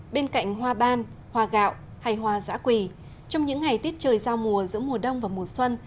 bên cạnh hoa ban hoa gạo hay hoa giã quỳ trong những ngày tiết trời giao mùa giữa mùa đông và mùa xuân